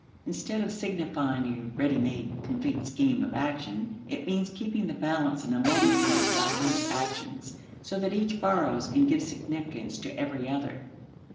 Instead of signifying a ready made complete scheme of action, it means keeping the balance in a multitude of diverse actions, so that each borrows and gives significance to every other.